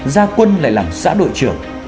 gia quân lại làm xã đội trưởng